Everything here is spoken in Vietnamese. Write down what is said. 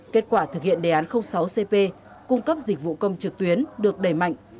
kết quả thực hiện đề án sáu cp cung cấp dịch vụ công trực tuyến được đẩy mạnh